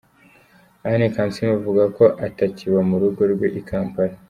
Anne Kansiime avuga ko atakiba mu rugo rwe I Kampala.